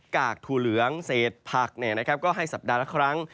กากถูเหลืองเสดผักให้สัปดาห์ละครั้ง